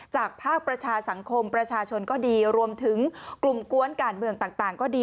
ภาคประชาสังคมประชาชนก็ดีรวมถึงกลุ่มกวนการเมืองต่างก็ดี